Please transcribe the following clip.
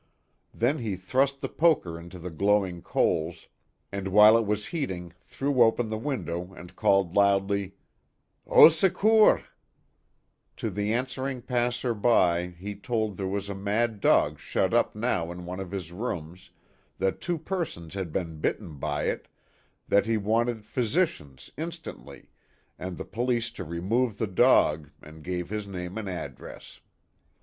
Then he thrust the poker into the glowing coals, and while it was heating threw open the window and called loudly :" Au secours /" To the answering passer by he told there was a mad dog shut up now in one of his rooms, that two persons had been bitten by it, that he wanted physicians, instantly, and the police to remove the dog, and gave his name and address.